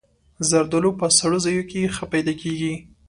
زردالو په سړو ځایونو کې ښه پیدا کېږي.